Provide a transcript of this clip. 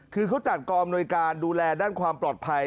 คือเขาจัดกองอำนวยการดูแลด้านความปลอดภัย